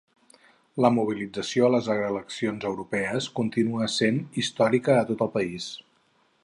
La mobilització a les eleccions europees continua essent històrica a tot el país.